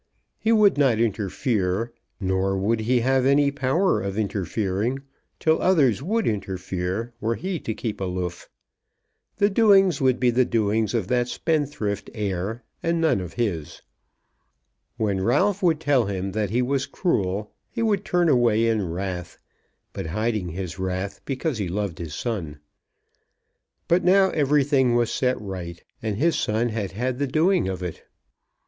He would not interfere, nor would he have any power of interfering, till others would interfere were he to keep aloof. The doings would be the doings of that spendthrift heir, and none of his. When Ralph would tell him that he was cruel, he would turn away in wrath; but hiding his wrath, because he loved his son. But now everything was set right, and his son had had the doing of it.